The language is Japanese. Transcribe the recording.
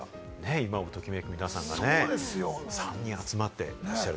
今をときめく皆さんが３人集まっていらっしゃる。